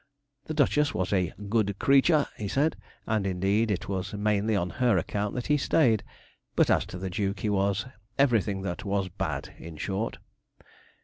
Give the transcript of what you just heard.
The duchess was a 'good cretur,' he said, and, indeed, it was mainly on her account that he stayed, but as to the duke, he was everything that was bad, in short.